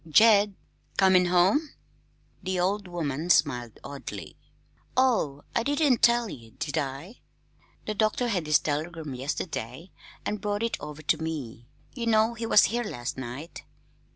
"Jed comin' home!" The old woman smiled oddly. "Oh, I didn't tell ye, did I? The doctor had this telegram yesterday, an' brought it over to me. Ye know he was here last night.